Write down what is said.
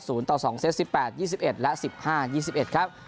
ต่อ๒เซต๑๘๒๑และ๑๕๒๑ครับ